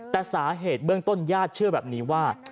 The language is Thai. แต่สาเหตุเบื้องต้นญาติเชื่อแบบนี้ว่า